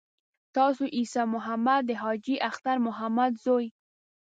تاسو عیسی محمد د حاجي اختر محمد زوی.